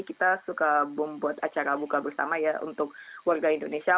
kita suka membuat acara buka bersama ya untuk warga indonesia